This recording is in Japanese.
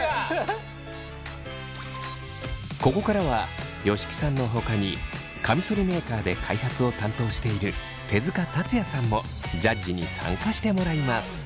ここからは吉木さんのほかにカミソリメーカーで開発を担当している手塚達也さんもジャッジに参加してもらいます。